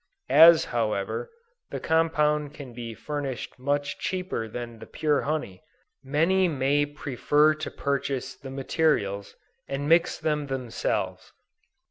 As however, the compound can be furnished much cheaper than the pure honey, many may prefer to purchase the materials, and mix them themselves.